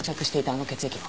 あの血液は？